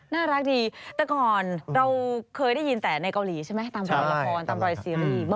น่ารักดีแต่ก่อนเราเคยได้ยินแต่ในเกาหลีใช่ไหมตามรอยละครตามรอยซีรีส์